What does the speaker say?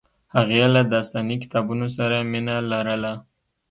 هغې له داستاني کتابونو سره مینه لرله